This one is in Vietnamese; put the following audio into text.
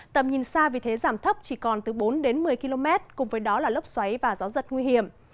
tầm nhìn xa vì thế giảm thấp chỉ còn từ bốn đến một mươi km cùng với đó là lốc xoáy và gió giật nguy hiểm